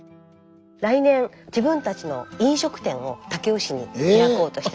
来年自分たちの飲食店を武雄市に。え⁉開こうとして。